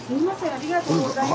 ありがとうございます。